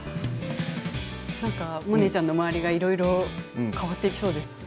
なんかモネちゃんの周りがいろいろ変わっていきそうですね。